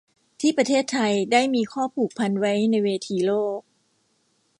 ที่ประเทศไทยได้มีข้อผูกพันไว้ในเวทีโลก